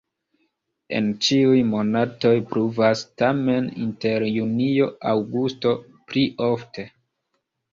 En ĉiuj monatoj pluvas, tamen inter junio-aŭgusto pli ofte.